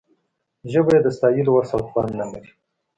ژبه یې د ستایلو وس او توان نه لري.